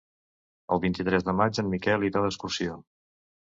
El vint-i-tres de maig en Miquel irà d'excursió.